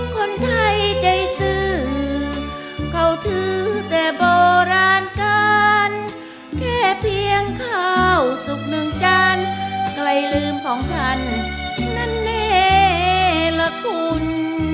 คนไทยใจซื้อเขาถือแต่โบราณการแค่เพียงข้าวสุกหนึ่งจานใกล้ลืมของท่านนั้นแน่ละคุณ